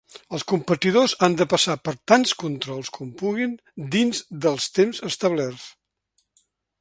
Els competidors han de passar per tants controls com puguin dins dels temps establerts.